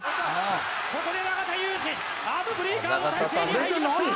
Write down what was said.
ここで永田裕志アームブリーカーの体勢に入りました。